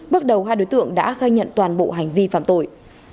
bước đầu hai đối tượng đã khai nhận toàn bộ hành vi phạm tội